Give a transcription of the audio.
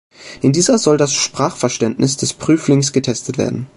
In dieser soll das Sprachverständnis des Prüflings getestet werden.